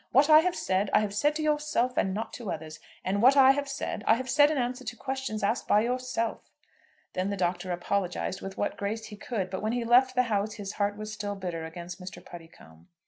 "What I have said, I have said to yourself, and not to others; and what I have said, I have said in answer to questions asked by yourself." Then the Doctor apologised with what grace he could. But when he left the house his heart was still bitter against Mr. Puddicombe.